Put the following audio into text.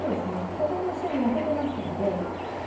ここも一緒に焼けてますので。